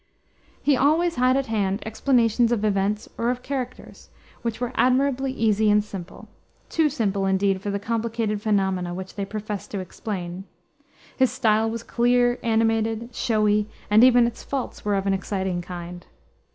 He always had at hand explanations of events or of characters, which were admirably easy and simple too simple, indeed, for the complicated phenomena which they professed to explain. His style was clear, animated, showy, and even its faults were of an exciting kind.